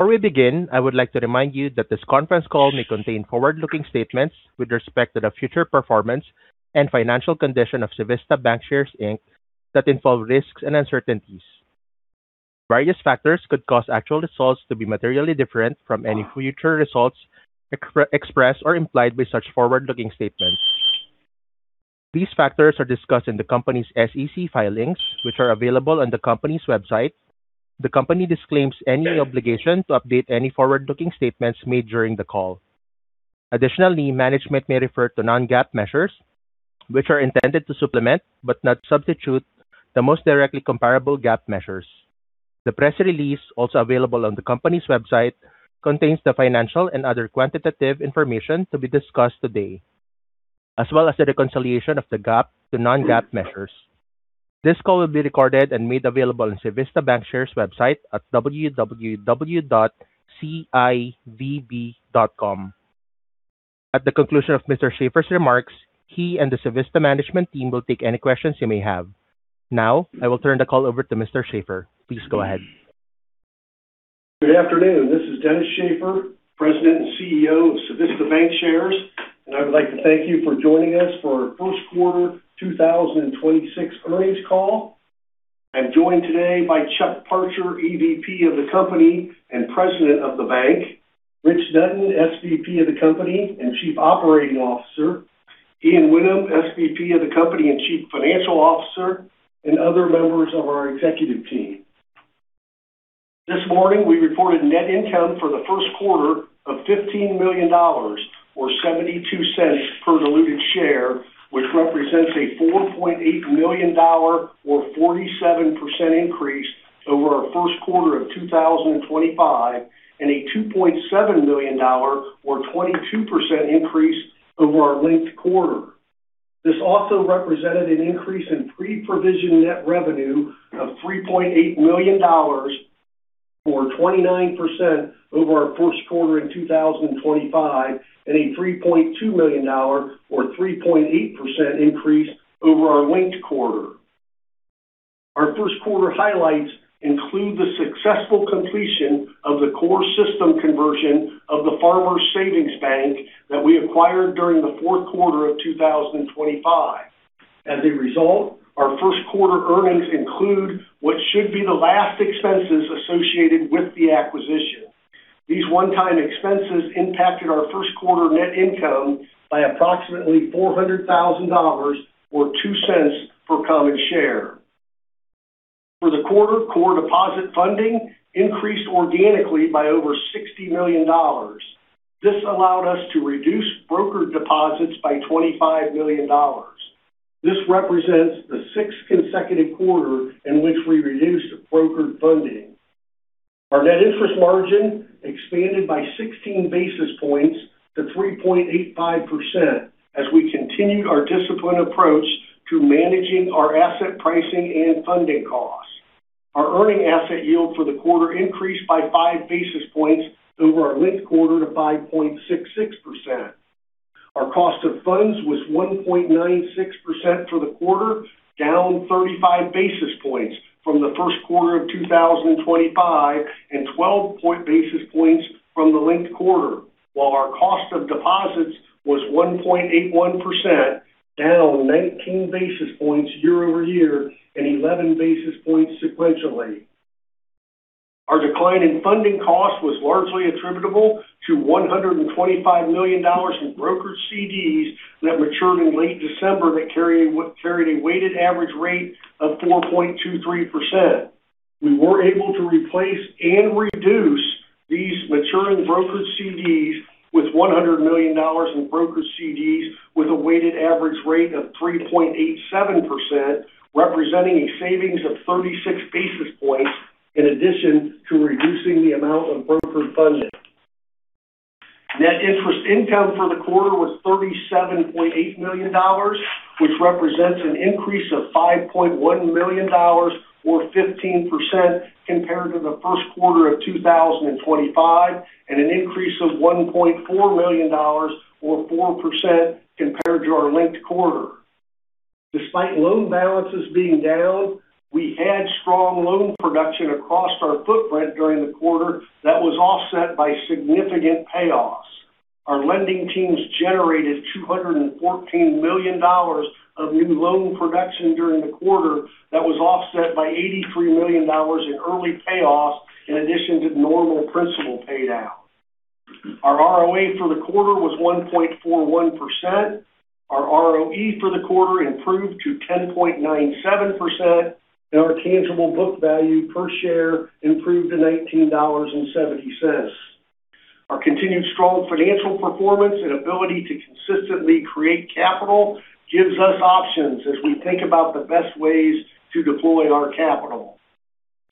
Before we begin, I would like to remind you that this conference call may contain forward-looking statements with respect to the future performance and financial condition of Civista Bancshares, Inc., that involve risks and uncertainties. Various factors could cause actual results to be materially different from any future results expressed or implied by such forward-looking statements. These factors are discussed in the company's SEC filings, which are available on the company's website. The company disclaims any obligation to update any forward-looking statements made during the call. Additionally, management may refer to non-GAAP measures, which are intended to supplement, but not substitute, the most directly comparable GAAP measures. The press release, also available on the company's website, contains the financial and other quantitative information to be discussed today, as well as the reconciliation of the GAAP to non-GAAP measures. This call will be recorded and made available on Civista Bancshares' website at www.civb.com. At the conclusion of Mr. Shaffer's remarks, he and the Civista management team will take any questions you may have. Now, I will turn the call over to Mr. Shaffer. Please go ahead. Good afternoon. This is Dennis Shaffer, President and CEO of Civista Bancshares, and I would like to thank you for joining us for our first quarter 2026 earnings call. I'm joined today by Charles Parcher, EVP of the company and President of the bank, Rich Dutton, SVP of the company and Chief Operating Officer, Ian Whinnem, SVP of the company and Chief Financial Officer, and other members of our executive team. This morning, we reported net income for the first quarter of $15 million, or $0.72 per diluted share, which represents a $4.8 million or 47% increase over our first quarter of 2025 and a $2.7 million or 22% increase over our linked quarter. This also represented an increase in pre-provision net revenue of $3.8 million, or 29%, over our first quarter in 2025 and a $3.2 million or 3.8% increase over our linked quarter. Our first quarter highlights include the successful completion of the core system conversion of the Farmers Savings Bank that we acquired during the fourth quarter of 2025. As a result, our first quarter earnings include what should be the last expenses associated with the acquisition. These one-time expenses impacted our first quarter net income by approximately $400,000, or $0.02 per common share. For the quarter, core deposit funding increased organically by over $60 million. This allowed us to reduce brokered deposits by $25 million. This represents the sixth consecutive quarter in which we reduced brokered funding. Our net interest margin expanded by 16 basis points to 3.85% as we continued our disciplined approach to managing our asset pricing and funding costs. Our earning asset yield for the quarter increased by 5 basis points over our linked quarter to 5.66%. Our cost of funds was 1.96% for the quarter, down 35 basis points from the first quarter of 2025 and 12 basis points from the linked quarter, while our cost of deposits was 1.81%, down 19 basis points year-over-year and 11 basis points sequentially. Our decline in funding cost was largely attributable to $125 million in brokered CDs that matured in late December that carried a weighted average rate of 4.23%. We were able to replace and reduce these maturing brokered CDs with $100 million in brokered CDs with a weighted average rate of 3.87%, representing a savings of 36 basis points in addition to reducing the amount of brokered funding. Net interest income for the quarter was $37.8 million, which represents an increase of $5.1 million or 15% compared to the first quarter of 2025, and an increase of $1.4 million or 4% compared to our linked quarter. Despite loan balances being down, we had strong loan production across our footprint during the quarter that was offset by significant payoffs. Our lending teams generated $214 million of new loan production during the quarter that was offset by $83 million in early payoffs in addition to normal principal pay down. Our ROA for the quarter was 1.41%. Our ROE for the quarter improved to 10.97%, and our tangible book value per share improved to $19.70. Our continued strong financial performance and ability to consistently create capital gives us options as we think about the best ways to deploy our capital.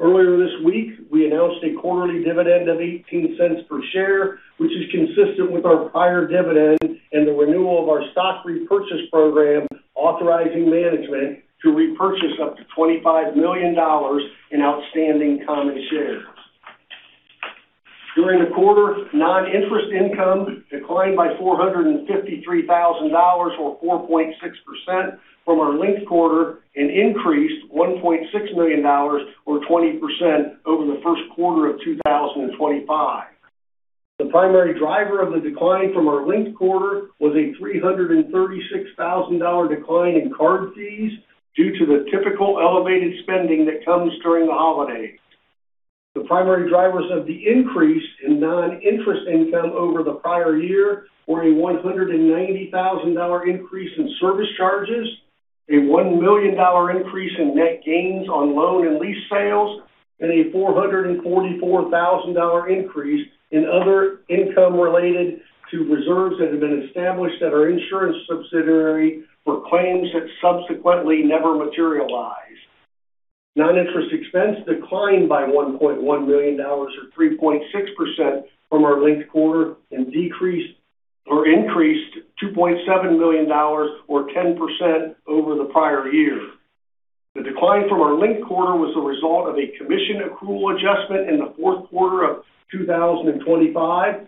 Earlier this week, we announced a quarterly dividend of $0.18 per share, which is consistent with our prior dividend and the renewal of our stock repurchase program, authorizing management to repurchase up to $25 million in outstanding common shares. During the quarter, non-interest income declined by $453,000, or 4.6%, from our linked quarter and increased $1.6 million or 20% over the first quarter of 2025. The primary driver of the decline from our linked quarter was a $336,000 decline in card fees due to the typical elevated spending that comes during the holidays. The primary drivers of the increase in non-interest income over the prior year were a $190,000 increase in service charges, a $1 million increase in net gains on loan and lease sales, and a $444,000 increase in other income related to reserves that have been established at our insurance subsidiary for claims that subsequently never materialized. Non-interest expense declined by $1.1 million, or 3.6%, from our linked quarter, and increased $2.7 million, or 10%, over the prior year. The decline from our linked quarter was the result of a commission accrual adjustment in the fourth quarter of 2025.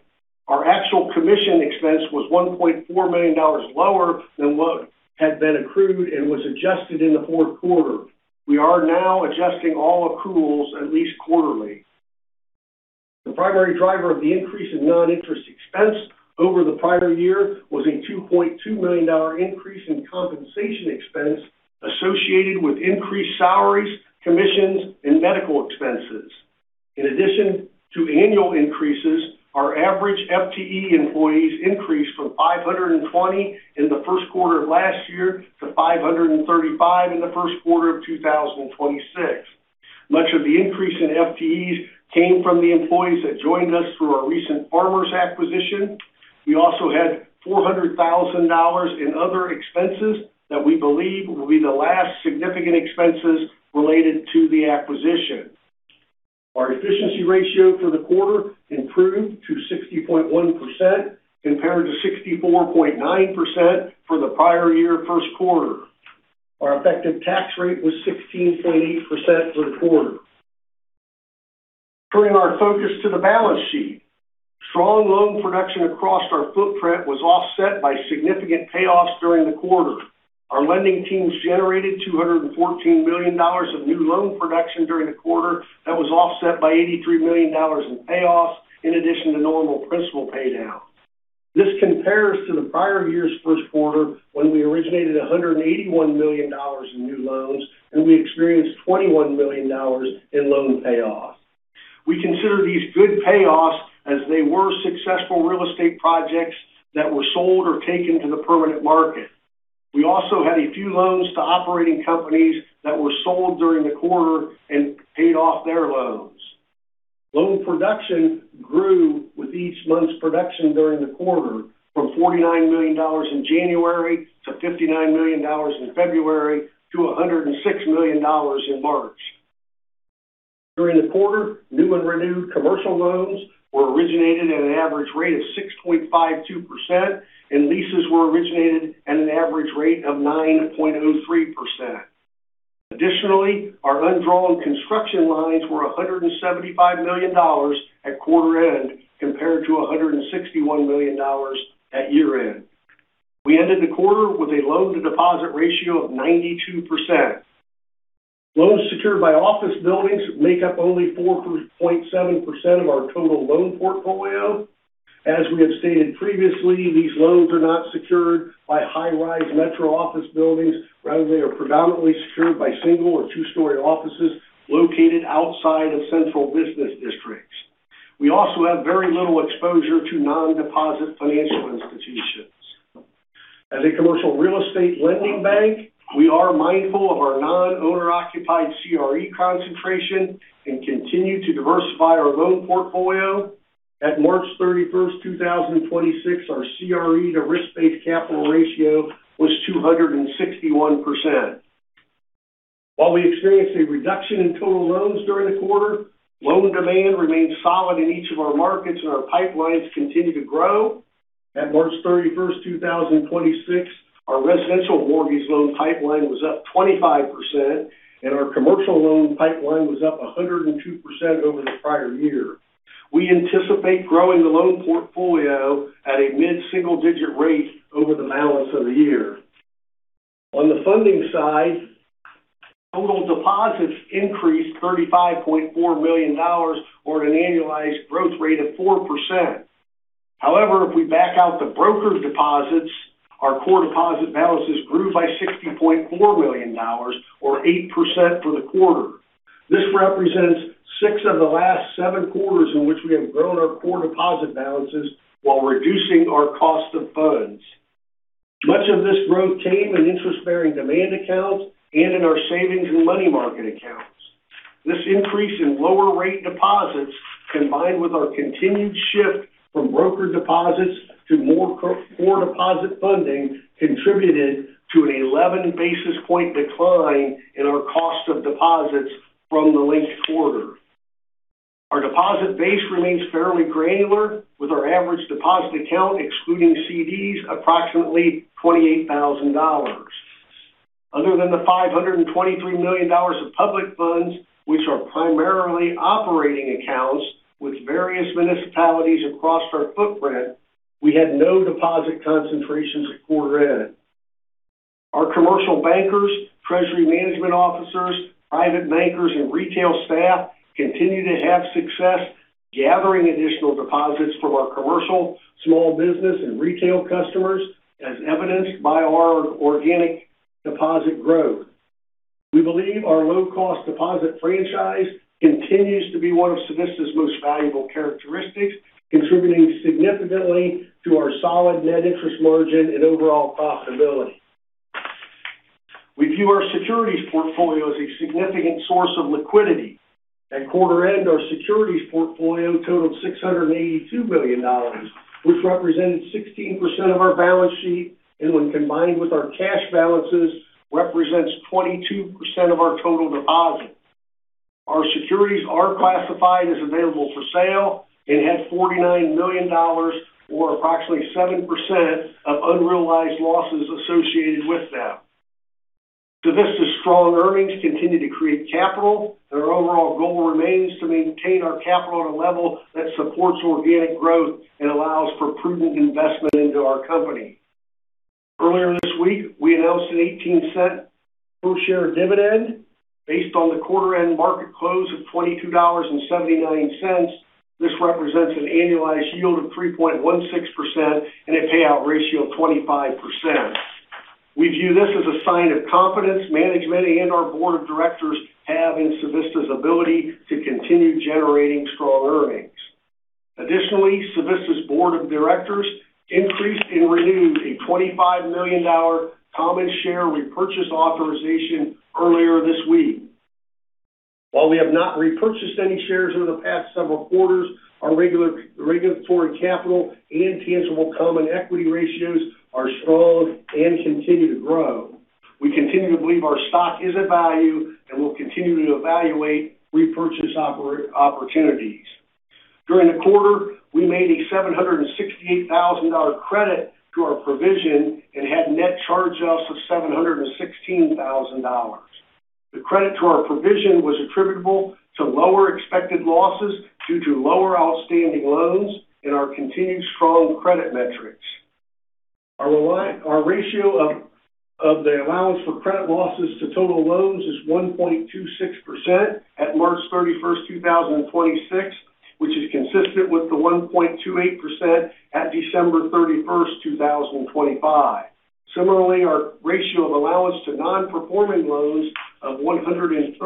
Our actual commission expense was $1.4 million lower than what had been accrued and was adjusted in the fourth quarter. We are now adjusting all accruals at least quarterly. The primary driver of the increase in non-interest expense over the prior year was a $2.2 million increase in compensation expense associated with increased salaries, commissions, and medical expenses. In addition to annual increases, our average FTE employees increased from 520 in the first quarter of last year to 535 in the first quarter of 2026. Much of the increase in FTEs came from the employees that joined us through our recent Farmers acquisition. We also had $400,000 in other expenses that we believe will be the last significant expenses related to the acquisition. Our efficiency ratio for the quarter improved to 60.1%, compared to 64.9% for the prior year first quarter. Our effective tax rate was 16.8% for the quarter. Turning our focus to the balance sheet, strong loan production across our footprint was offset by significant payoffs during the quarter. Our lending teams generated $214 million of new loan production during the quarter that was offset by $83 million in payoffs, in addition to normal principal paydown. This compares to the prior year's first quarter, when we originated $181 million in new loans and we experienced $21 million in loan payoffs. We consider these good payoffs, as they were successful real estate projects that were sold or taken to the permanent market. We also had a few loans to operating companies that were sold during the quarter and paid off their loans. Loan production grew with each month's production during the quarter, from $49 million in January to $59 million in February to $106 million in March. During the quarter, new and renewed commercial loans were originated at an average rate of 6.52%, and leases were originated at an average rate of 9.03%. Additionally, our undrawn construction lines were $175 million at quarter end, compared to $161 million at year-end. We ended the quarter with a loan-to-deposit ratio of 92%. Loans secured by office buildings make up only 4.7% of our total loan portfolio. As we have stated previously, these loans are not secured by high-rise metro office buildings. Rather, they are predominantly secured by single or two-story offices located outside of central business districts. We also have very little exposure to non-deposit financial institutions. As a commercial real estate lending bank, we are mindful of our non-owner-occupied CRE concentration and continue to diversify our loan portfolio. At March 31st, 2026, our CRE to risk-based capital ratio was 261%. While we experienced a reduction in total loans during the quarter, loan demand remained solid in each of our markets, and our pipelines continue to grow. At March 31st, 2026, our residential mortgage loan pipeline was up 25%, and our commercial loan pipeline was up 102% over the prior year. We anticipate growing the loan portfolio at a mid-single-digit rate over the balance of the year. On the funding side, total deposits increased $35.4 million, or at an annualized growth rate of 4%. However, if we back out the broker deposits, our core deposit balances grew by $60.4 million, or 8% for the quarter. This represents six of the last seven quarters in which we have grown our core deposit balances while reducing our cost of funds. Much of this growth came in interest-bearing demand accounts and in our savings and money market accounts. This increase in lower rate deposits, combined with our continued shift from broker deposits to more core deposit funding, contributed to an 11 basis point decline in our cost of deposits from the linked quarter. Our deposit base remains fairly granular, with our average deposit account, excluding CDs, approximately $28,000. Other than the $523 million of public funds, which are primarily operating accounts with various municipalities across our footprint, we had no deposit concentrations at quarter-end. Our commercial bankers, treasury management officers, private bankers, and retail staff continue to have success gathering additional deposits from our commercial, small business, and retail customers, as evidenced by our organic deposit growth. We believe our low-cost deposit franchise continues to be one of Civista's most valuable characteristics, contributing significantly to our solid net interest margin and overall profitability. We view our securities portfolio as a significant source of liquidity. At quarter end, our securities portfolio totaled $682 million, which represented 16% of our balance sheet, and when combined with our cash balances, represents 22% of our total deposits. Our securities are classified as available for sale and had $49 million, or approximately 7%, of unrealized losses associated with them. Civista's strong earnings continue to create capital, and our overall goal remains to maintain our capital at a level that supports organic growth and allows for prudent investment into our company. Earlier this week, we announced a $0.18 per share dividend based on the quarter end market close of $22.79. This represents an annualized yield of 3.16% and a payout ratio of 25%. We view this as a sign of confidence management and our board of directors have in Civista's ability to continue generating strong earnings. Additionally, Civista's board of directors increased and renewed a $25 million common share repurchase authorization earlier this week. While we have not repurchased any shares over the past several quarters, our regulatory capital and [ENTS] common equity ratios are strong and continue to grow. We continue to believe our stock is at value, and we'll continue to evaluate repurchase opportunities. During the quarter, we made a $768,000 credit to our provision and had net charge-offs of $716,000. The credit to our provision was attributable to lower expected losses due to lower outstanding loans and our continued strong credit metrics. Our ratio of the allowance for credit losses to total loans is 1.26% at March 31st, 2026, which is consistent with the 1.28% at December 31st, 2025. Similarly, our ratio of allowance to non-performing loans of 135%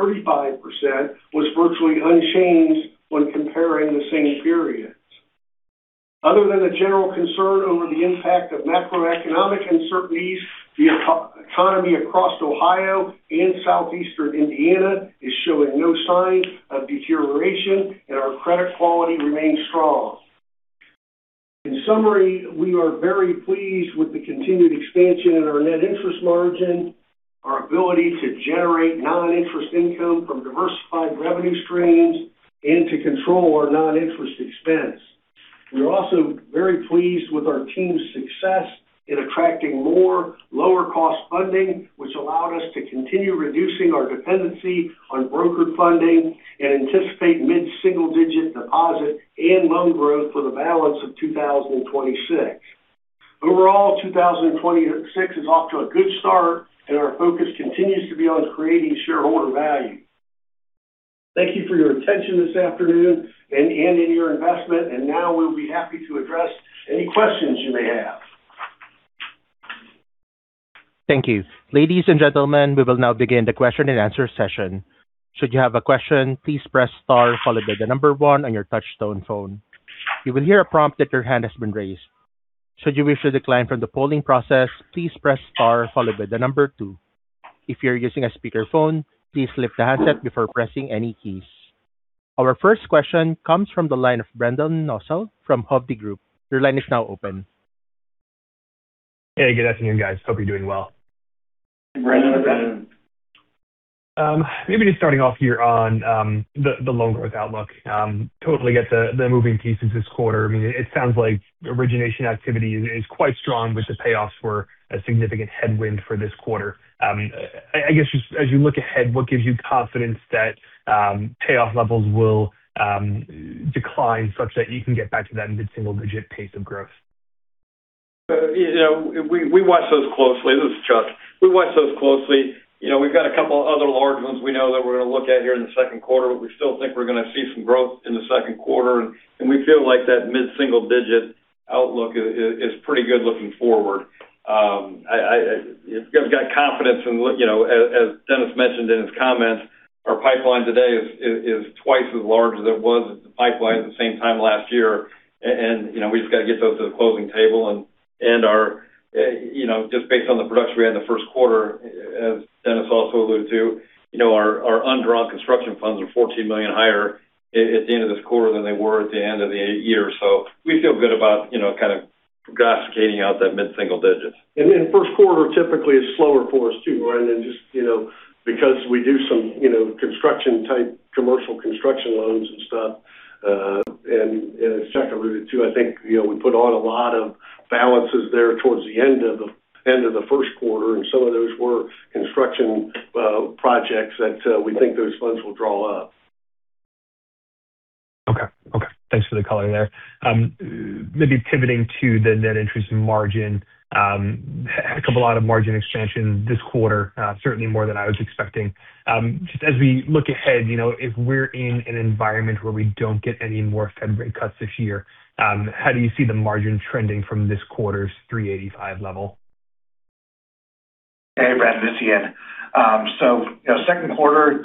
was virtually unchanged when comparing the same periods. Other than the general concern over the impact of macroeconomic uncertainties, the economy across Ohio and southeastern Indiana is showing no signs of deterioration, and our credit quality remains strong. In summary, we are very pleased with the continued expansion in our net interest margin, our ability to generate non-interest income from diversified revenue streams, and to control our non-interest expense. We're also very pleased with our team's success in attracting more lower-cost funding, which allowed us to continue reducing our dependency on brokered funding and anticipate mid-single-digit deposit and loan growth for the balance of 2026. Overall, 2026 is off to a good start, and our focus continues to be on creating shareholder value. Thank you for your attention this afternoon and in your investment, and now we'll be happy to address any questions you may have. Thank you. Ladies and gentlemen, we will now begin the question and answer session. Should you have a question, please press star followed by the number one on your touchtone phone. You will hear a prompt that your hand has been raised. Should you wish to decline from the polling process, please press star followed by the number two. If you're using a speakerphone, please lift the handset before pressing any keys. Our first question comes from the line of Brendan Nosal from Hovde Group. Your line is now open. Hey, good afternoon, guys. Hope you're doing well. Hi, Brendan. Maybe just starting off here on the loan growth outlook. I totally get the moving parts this quarter. I mean, it sounds like origination activity is quite strong, but the payoffs were a significant headwind for this quarter. I guess just as you look ahead, what gives you confidence that payoff levels will decline such that you can get back to that mid-single-digit pace of growth? We watch those closely. This is Chuck. We watch those closely. We've got a couple other large ones we know that we're going to look at here in the second quarter. We still think we're going to see some growth in the second quarter, and we feel like that mid-single digit outlook is pretty good looking forward. We've got confidence in what, as Dennis mentioned in his comments, our pipeline today is twice as large as the pipeline was at the same time last year. We've just got to get those to the closing table and just based on the production we had in the first quarter, as Dennis also alluded to, our undrawn construction funds are $14 million higher at the end of this quarter than they were at the end of the year. We feel good about kind of prognosticating out that mid-single digits. First quarter typically is slower for us, too, Brendan, just because we do some construction type commercial construction loans and stuff. As Chuck alluded to, I think we put on a lot of balances there towards the end of the first quarter, and some of those were construction projects that we think those funds will draw up. Thanks for the color there. Maybe pivoting to the net interest margin. Heck of a lot of margin expansion this quarter, certainly more than I was expecting. Just as we look ahead, if we're in an environment where we don't get any more Fed rate cuts this year, how do you see the margin trending from this quarter's 3.85% level? Hey, Brendan, this is Ian. Second quarter,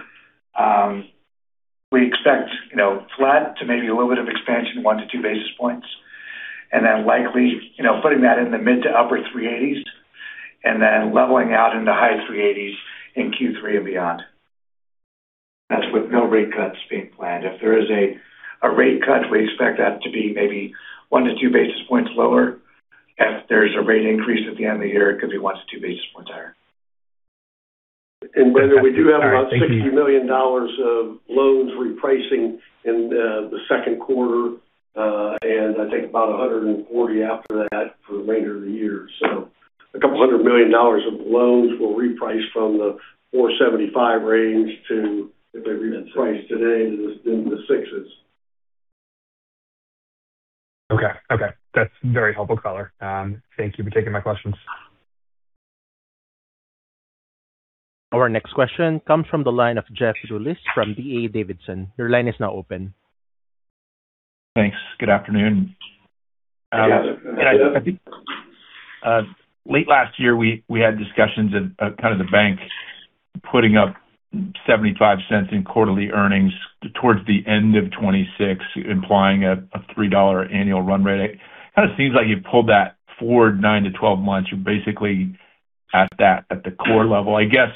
we expect flat to maybe a little bit of expansion, 1-2 basis points. Then likely, putting that in the mid- to upper 380s and then leveling out in the high 380s in Q3 and beyond. That's with no rate cuts being planned. If there is a rate cut, we expect that to be maybe 1-2 basis points lower. If there's a rate increase at the end of the year, it could be 1-2 basis points higher. Brendan, we do have about $60 million of loans repricing in the second quarter. I think about $140 million after that for the remainder of the year. A couple of $100 million of loans will reprice from the 4.75% range to, if they repriced today, in the 6%. Okay. That's very helpful color. Thank you for taking my questions. Our next question comes from the line of Jeff Rulis from D.A. Davidson. Your line is now open. Thanks. Good afternoon. I think late last year, we had discussions of kind of the bank putting up $0.75 in quarterly earnings towards the end of 2026, implying a $3 annual run rate. It kind of seems like you pulled that forward 9-12 months. You're basically at the core level. I guess,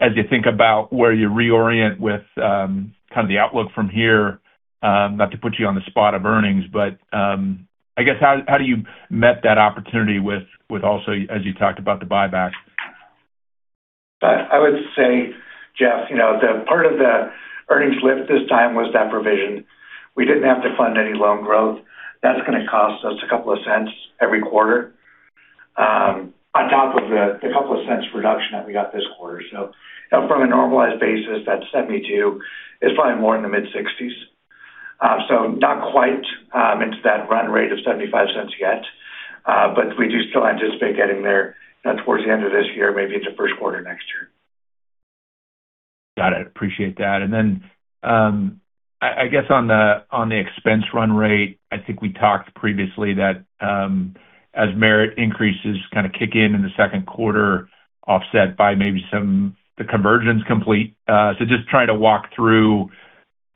as you think about where you reorient with kind of the outlook from here, not to put you on the spot on earnings, but I guess, how do you meet that opportunity with also as you talked about the buyback? I would say, Jeff, part of the earnings lift this time was that provision. We didn't have to fund any loan growth. That's going to cost us a couple of cents every quarter on top of the couple of cents reduction that we got this quarter. From a normalized basis, that $0.72 is probably more in the mid-$0.60s. Not quite into that run rate of $0.75 yet. We do still anticipate getting there towards the end of this year, maybe into first quarter next year. Got it. Appreciate that. I guess on the expense run rate, I think we talked previously that as merit increases kind of kick in the second quarter offset by maybe some of the convergence complete. Just try to walk through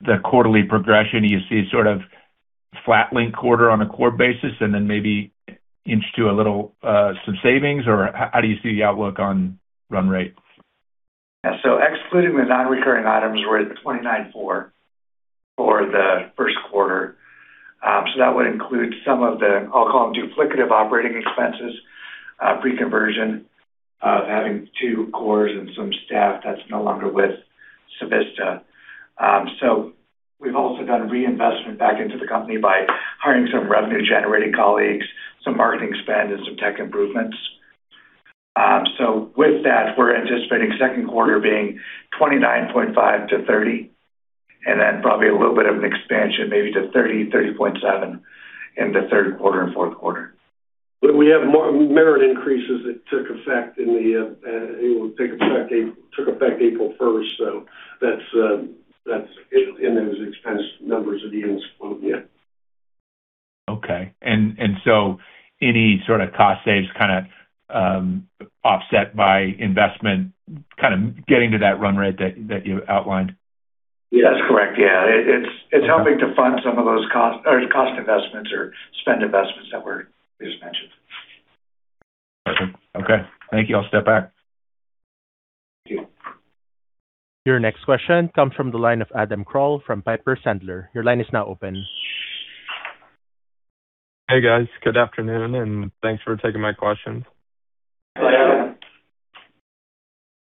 the quarterly progression. Do you see sort of flat linked quarter on a core basis and then maybe inch to a little some savings? Or how do you see the outlook on run rate? Excluding the non-recurring items, we're at the 2.94% for the first quarter. That would include some of the, I'll call them duplicative operating expenses, pre-conversion of having two cores and some staff that's no longer with Civista. We've also done reinvestment back into the company by hiring some revenue generating colleagues, some marketing spend, and some tech improvements. With that, we're anticipating second quarter being 2.95%-3.0%, and then probably a little bit of an expansion maybe to 3.0%-3.07% in the third quarter and fourth quarter. We have merit increases that took effect April 1st, that's in those expense numbers at the end of the quarter, yeah. Okay. Any sort of cost savings kind of offset by investment kind of getting to that run rate that you outlined? That's correct. Yeah. It's helping to fund some of those cost investments or spend investments that were just mentioned. Perfect. Okay. Thank you. I'll step back. Thank you. Your next question comes from the line of Adam Crowell from Piper Sandler. Your line is now open. Hey, guys. Good afternoon, and thanks for taking my questions. Yeah.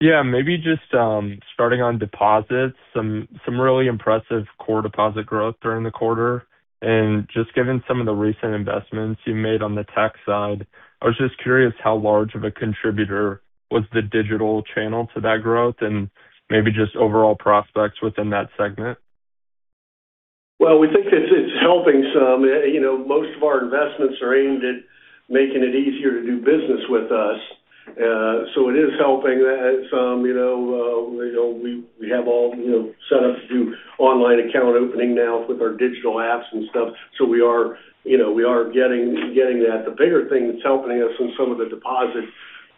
Yeah, maybe just starting on deposits. Some really impressive core deposit growth during the quarter. Just given some of the recent investments you made on the tech side, I was just curious how large of a contributor was the digital channel to that growth and maybe just overall prospects within that segment? Well, we think it's helping some. Most of our investments are aimed at making it easier to do business with us. It is helping some. We have all set up to do online account opening now with our digital apps and stuff. We are getting that. The bigger thing that's helping us in some of the deposit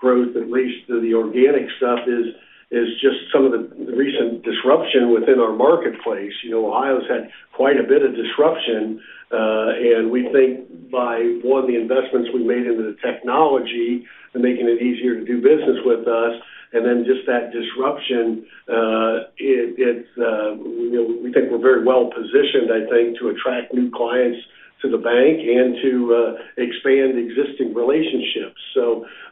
growth, at least the organic stuff, is just some of the recent disruption within our marketplace. Ohio's had quite a bit of disruption. We think by, one, the investments we made into the technology and making it easier to do business with us, and then just that disruption, we think we're very well-positioned, I think, to attract new clients to the bank and to expand existing relationships.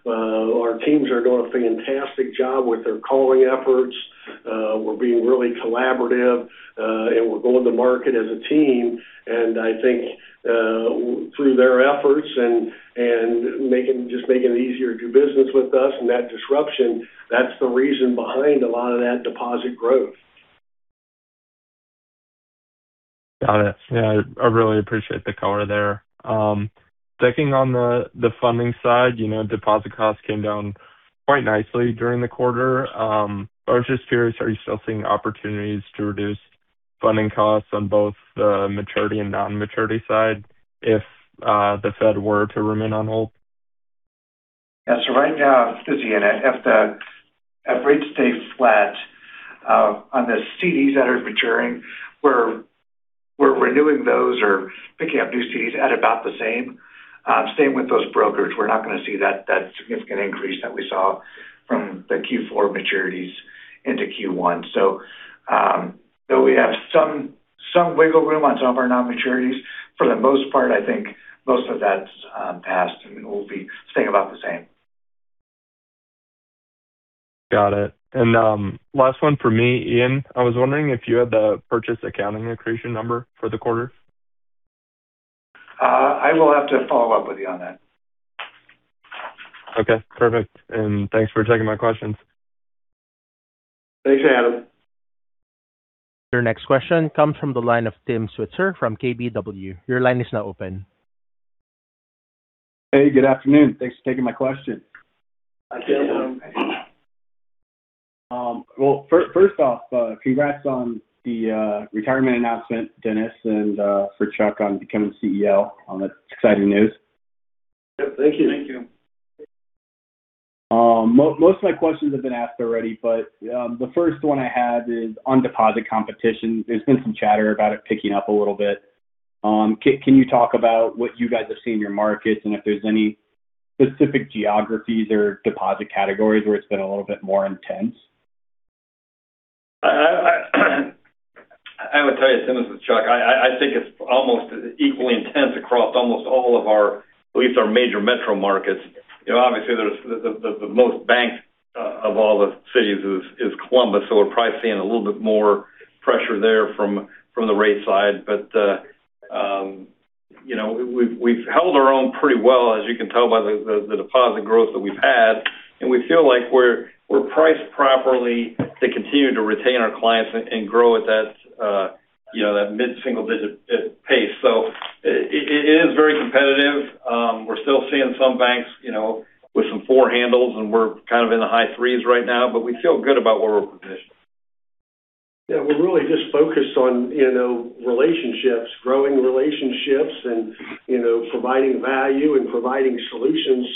Our teams are doing a fantastic job with their calling efforts. We're being really collaborative, and we're going to market as a team. I think through their efforts and just making it easier to do business with us and that disruption, that's the reason behind a lot of that deposit growth. Got it. Yeah, I really appreciate the color there. Checking on the funding side, deposit costs came down quite nicely during the quarter. I was just curious, are you still seeing opportunities to reduce funding costs on both the maturity and non-maturity side if the Fed were to remain on hold? Yeah. Right now, this is Ian. If the rates stay flat on the CDs that are maturing, we're renewing those or picking up new CDs at about the same, staying with those brokers. We're not going to see that significant increase that we saw from the Q4 maturities into Q1. We have some wiggle room on some of our non-maturities. For the most part, I think most of that's passed, and we'll be staying about the same. Got it. Last one for me, Ian, I was wondering if you had the purchase accounting accretion number for the quarter. I will have to follow up with you on that. Okay, perfect. Thanks for taking my questions. Thanks, Adam. Your next question comes from the line of Tim Switzer from KBW. Your line is now open. Hey, good afternoon. Thanks for taking my question. Hi, Tim. Well, first off, congrats on the retirement announcement, Dennis, and for Chuck on becoming CEO on the exciting news. Yep. Thank you. Thank you. Most of my questions have been asked already, but the first one I had is on deposit competition. There's been some chatter about it picking up a little bit. Can you talk about what you guys have seen in your markets and if there's any specific geographies or deposit categories where it's been a little bit more intense? I would tell you, Tim, this is Chuck. I think it's almost equally intense across almost all of our, at least our major metro markets. Obviously, the most banked of all the cities is Columbus, so we're probably seeing a little bit more pressure there from the rate side. We've held our own pretty well, as you can tell by the deposit growth that we've had. We feel like we're priced properly to continue to retain our clients and grow at that mid-single digit pace. It is very competitive. We're still seeing some banks with some four handles, and we're kind of in the high threes right now, but we feel good about where we're positioned. Yeah, we're really just focused on relationships, growing relationships, and providing value and providing solutions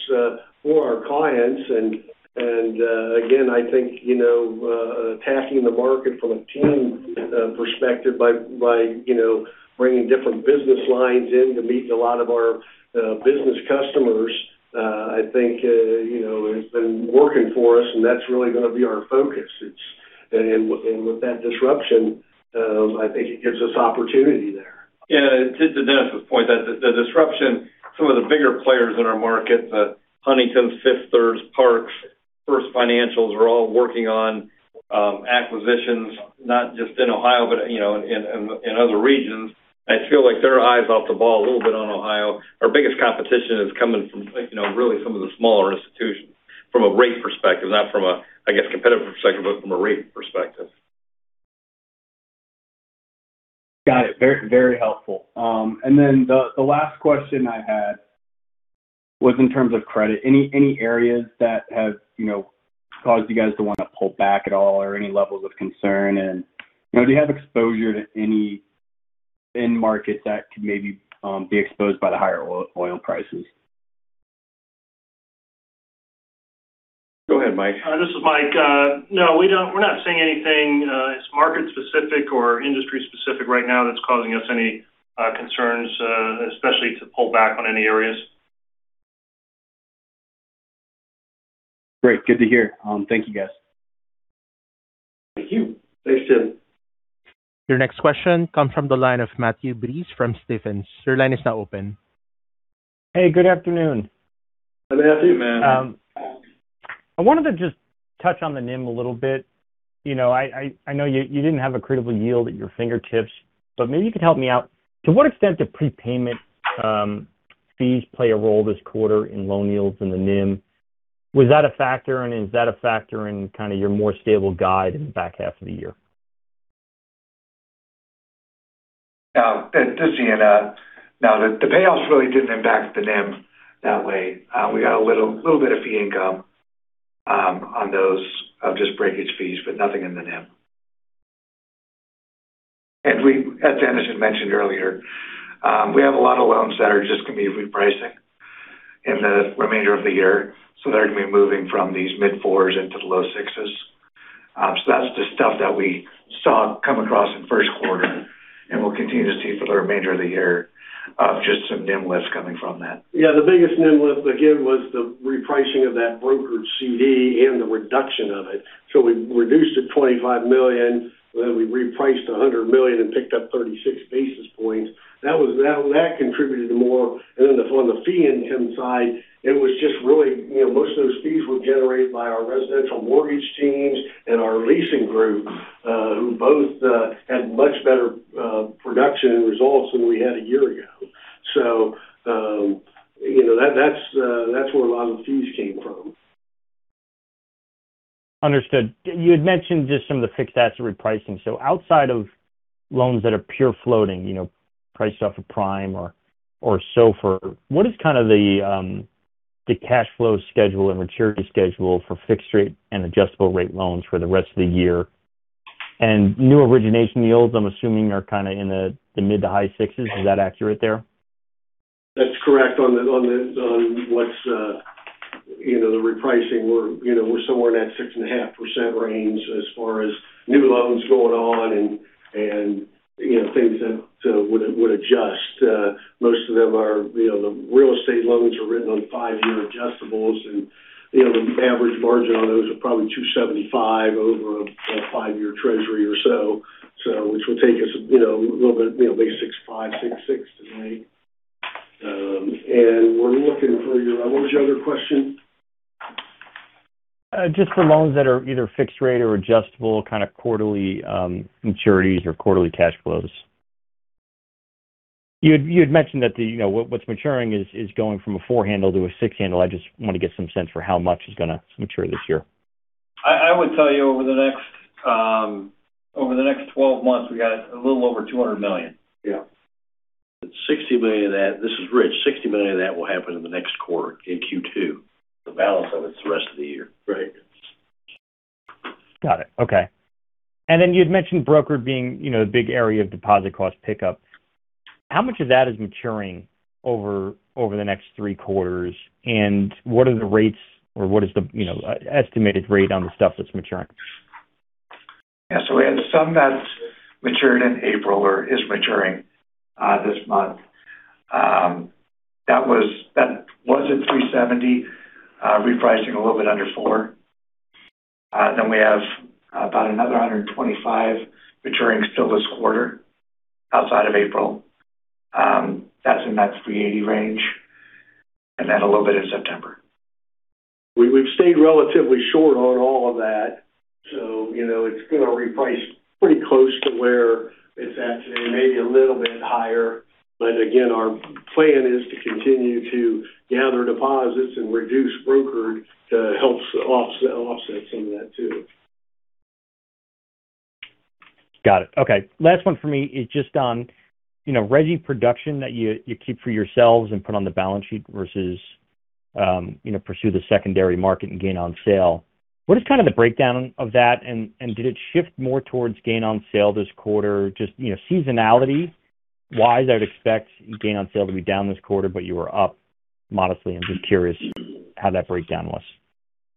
for our clients. Again, I think attacking the market from a team perspective by bringing different business lines in to meet a lot of our business customers, I think, has been working for us, and that's really going to be our focus. With that disruption, I think it gives us opportunity there. Yeah. To Dennis' point, the disruption, some of the bigger players in our market, Huntington, Fifth Third, Park First Financial, are all working on acquisitions, not just in Ohio, but in other regions. I feel like their eye is off the ball a little bit on Ohio. Our biggest competition is coming from really some of the smaller institutions from a rate perspective, not from a, I guess, competitive perspective, but from a rate perspective. Got it. Very helpful. The last question I had was in terms of credit. Any areas that have caused you guys to want to pull back at all or any levels of concern? Do you have exposure to any end market that could maybe be exposed by the higher oil prices? Go ahead, Mike. This is Mike. No, we're not seeing anything that's market specific or industry specific right now that's causing us any concerns, especially to pull back on any areas. Great. Good to hear. Thank you, guys. Thank you. Thanks, Tim. Your next question comes from the line of Matthew Breese from Stephens. Your line is now open. Hey, good afternoon. Hey, Matthew. Hey, Matt. I wanted to just touch on the NIM a little bit. I know you didn't have an incremental yield at your fingertips, but maybe you could help me out. To what extent do prepayment fees play a role this quarter in loan yields in the NIM? Was that a factor and is that a factor in kind of your more stable guide in the back half of the year? This is Ian. No, the payoffs really didn't impact the NIM that way. We got a little bit of fee income on those of just breakage fees, but nothing in the NIM. As Dennis Shaffer had mentioned earlier, we have a lot of loans that are just going to be repricing in the remainder of the year. They're going to be moving from these mid-4%s into the low 6%s. That's the stuff that we saw come across in the first quarter and we'll continue to see for the remainder of the year, just some NIM lifts coming from that. Yeah, the biggest NIM lift again was the repricing of that brokered CD and the reduction of it. We reduced it $25 million, then we repriced $100 million and picked up 36 basis points. That contributed more. Then on the fee income side, it was just really most of those fees were generated by our residential mortgage teams and our leasing group, who both had much better production and results than we had a year ago. That's where a lot of the fees came from. Understood. You had mentioned just some of the fixed asset repricing. Outside of loans that are pure floating, priced off of prime or SOFR, what is the cash flow schedule and maturity schedule for fixed rate and adjustable rate loans for the rest of the year? New origination yields, I'm assuming, are in the mid- to high 6%s. Is that accurate there? That's correct. On the repricing, we're somewhere in that 6.5% range as far as new loans going on and things that would adjust. Most of them are the real estate loans are written on five-year adjustables, and the average margin on those are probably 275 over a five-year Treasury or so. Which will take us a little bit, maybe 6.5%-6.6%. We're looking for your, what was your other question? Just for loans that are either fixed rate or adjustable, kind of quarterly maturities or quarterly cash flows. You had mentioned that what's maturing is going from a 4% handle-6% handle. I just want to get some sense for how much is going to mature this year. I would tell you over the next 12 months, we got a little over $200 million. Yeah. $60 million of that, this is Rich, $60 million of that will happen in the next quarter, in Q2. The balance of it is the rest of the year. Right. Got it. Okay. You had mentioned brokered being the big area of deposit cost pickup. How much of that is maturing over the next three quarters, and what are the rates or what is the estimated rate on the stuff that's maturing? We had some that matured in April or is maturing this month. That was at 3.70%, repricing a little bit under 4%. We have about another $125 maturing still this quarter outside of April. That's in that 3.80% range. A little bit in September. We've stayed relatively short on all of that, so it's going to reprice pretty close to where it's at today, maybe a little bit higher. Our plan is to continue to gather deposits and reduce brokered to help offset some of that too. Got it. Okay. Last one for me is just on res-i production that you keep for yourselves and put on the balance sheet versus pursue the secondary market and gain on sale. What is kind of the breakdown of that and did it shift more towards gain on sale this quarter? Just seasonality-wise, I would expect gain on sale to be down this quarter, but you were up modestly. I'm just curious how that breakdown was.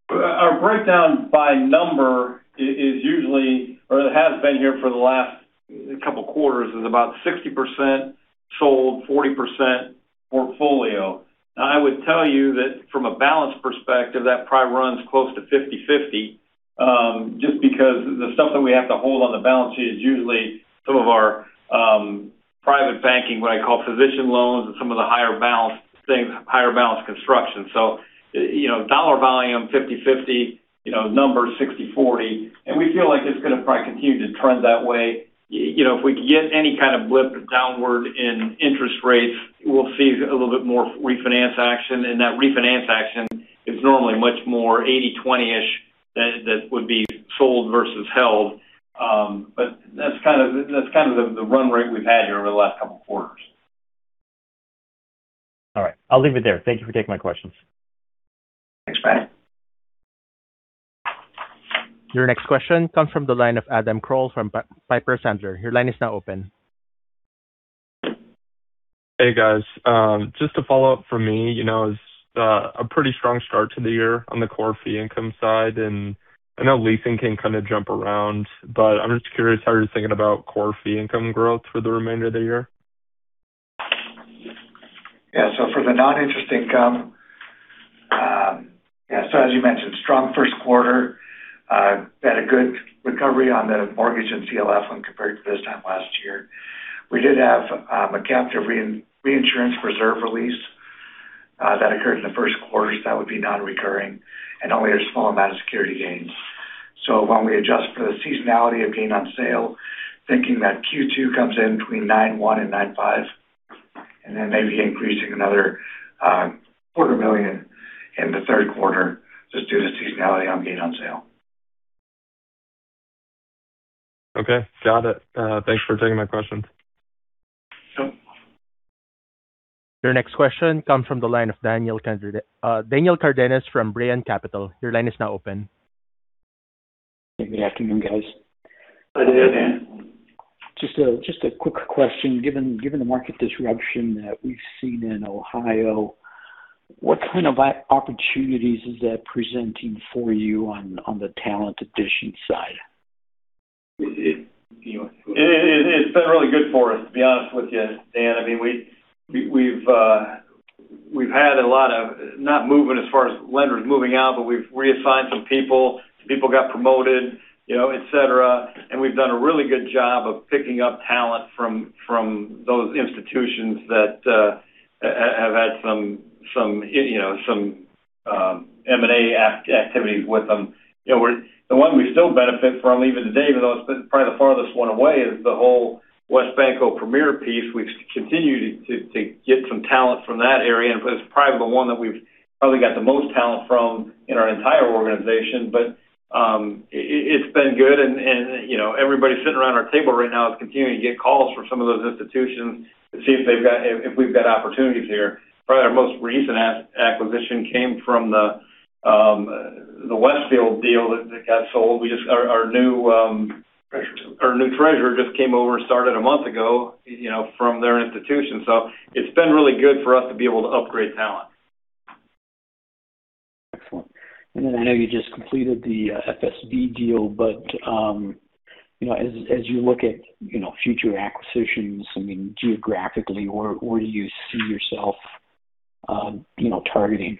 Our breakdown by number is usually or has been here for the last couple of quarters, is about 60% sold, 40% portfolio. Now I would tell you that from a balance perspective, that probably runs close to 50/50, just because the stuff that we have to hold on the balance sheet is usually some of our private banking, what I call physician loans and some of the higher balance construction. Dollar volume, 50/50, numbers 60/40, and we feel like it's going to probably continue to trend that way. If we can get any kind of blip downward in interest rates, we'll see a little bit more refinance action. That refinance action is normally much more 80/20-ish. That would be sold versus held. That's kind of the run rate we've had here over the last couple of quarters. All right. I'll leave it there. Thank you for taking my questions. Thanks, Matt. Your next question comes from the line of Adam Crowell from Piper Sandler. Your line is now open. Hey, guys. Just a follow-up from me. It's a pretty strong start to the year on the core fee income side, and I know leasing can kind of jump around, but I'm just curious how you're thinking about core fee income growth for the remainder of the year. Yeah. For the non-interest income, so as you mentioned, strong first quarter. We had a good recovery on the mortgage and CLF when compared to this time last year. We did have a captive reinsurance reserve release that occurred in the first quarter, so that would be non-recurring, and only a small amount of security gains. When we adjust for the seasonality of gain on sale, thinking that Q2 comes in between $9.1 million-$9.5 million, and then maybe increasing another $250,000 in the third quarter just due to seasonality on gain on sale. Okay. Got it. Thanks for taking my questions. Sure. Your next question comes from the line of Daniel Cardenas from Brean Capital. Your line is now open. Good afternoon, guys. Hi, Dan. Just a quick question. Given the market disruption that we've seen in Ohio, what kind of opportunities is that presenting for you on the talent addition side? It's been really good for us, to be honest with you, Dan. We've had a lot of, not movement as far as lenders moving out, but we've reassigned some people. Some people got promoted, etc. We've done a really good job of picking up talent from those institutions that have had some M&A activity with them. The one we still benefit from even today, even though it's probably the farthest one away, is the whole WesBanco/Premier piece. We continue to get some talent from that area, and it's probably the one that we've probably got the most talent from in our entire organization. It's been good, and everybody sitting around our table right now is continuing to get calls from some of those institutions to see if we've got opportunities here. Probably our most recent acquisition came from the Westfield deal that got sold. Our new- Treasurer... our new treasurer just came over, started a month ago, from their institution. It's been really good for us to be able to upgrade talent. Excellent. I know you just completed the FSB deal, but as you look at future acquisitions, geographically, where do you see yourself targeting?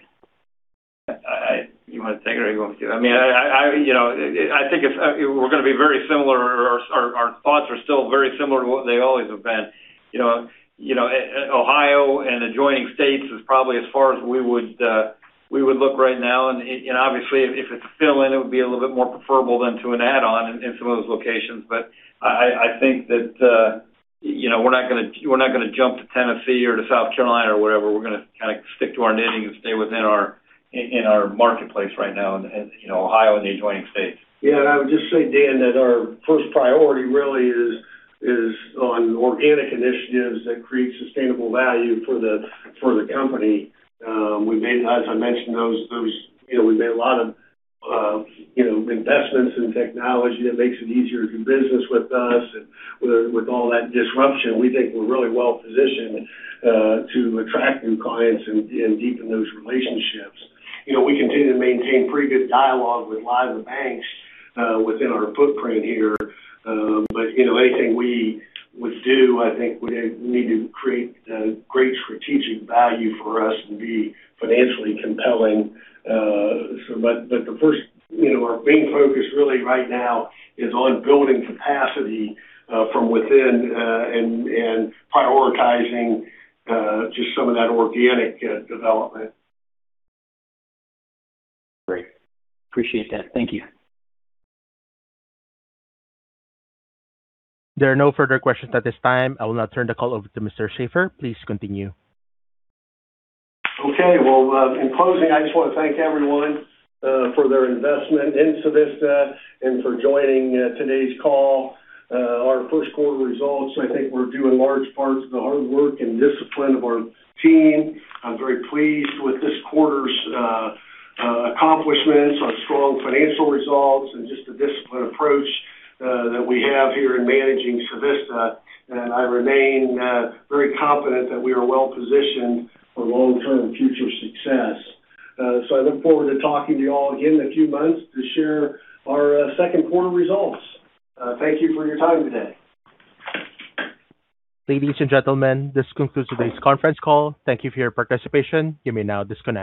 You want to take it, or you want me to? I think we're going to be very similar. Our thoughts are still very similar to what they always have been. Ohio and adjoining states is probably as far as we would look right now. Obviously, if it's a fill-in, it would be a little bit more preferable than to an add-on in some of those locations. I think that we're not going to jump to Tennessee or to South Carolina or wherever. We're going to kind of stick to our knitting and stay within our marketplace right now in Ohio and the adjoining states. Yeah, I would just say, Dan, that our first priority really is on organic initiatives that create sustainable value for the company. As I mentioned, we've made a lot of investments in technology that makes it easier to do business with us, and with all that disruption, we think we're really well-positioned to attract new clients and deepen those relationships. We continue to maintain pretty good dialogue with a lot of the banks within our footprint here. Anything we would do, I think would need to create great strategic value for us and be financially compelling. Our main focus really right now is on building capacity from within and prioritizing just some of that organic development. Great. Appreciate that. Thank you. There are no further questions at this time. I will now turn the call over to Mr. Shaffer. Please continue. Okay. Well, in closing, I just want to thank everyone for their investment in Civista and for joining today's call. Our first quarter results, I think, were due in large part to the hard work and discipline of our team. I'm very pleased with this quarter's accomplishments, our strong financial results, and just the disciplined approach that we have here in managing Civista. I remain very confident that we are well-positioned for long-term future success. I look forward to talking to you all again in a few months to share our second quarter results. Thank you for your time today. Ladies and gentlemen, this concludes today's conference call. Thank you for your participation. You may now disconnect.